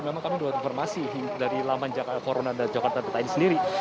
memang kami doa informasi dari laman corona dan jakarta detain sendiri